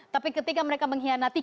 tapi ketika mereka mengkhianati